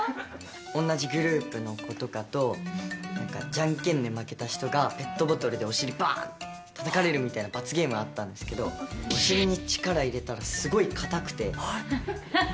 同じグループの子とかと、なんかじゃんけんで負けた人がペットボトルでお尻ばーんってたたかれるみたいな罰ゲームあったんですけど、お尻に力入れたらすごい硬くて。